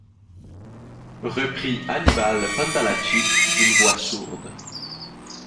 reprit Annibal Pantalacci d’une voix sourde.